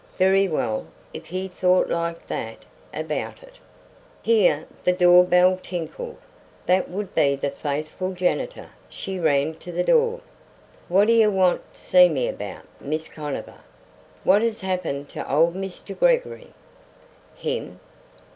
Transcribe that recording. Very well; if he thought like that about it. Here the doorbell tinkled. That would be the faithful janitor. She ran to the door. "Whadjuh wanta see me about, Miz Conover?" "What has happened to old Mr. Gregory?" "Him?